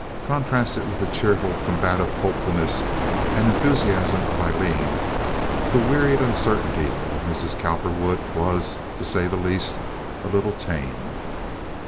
Contrasted with the cheerful combative hopefulness and enthusiasm of Aileen, the wearied uncertainty of Mrs. Cowperwood was, to say the least, a little tame.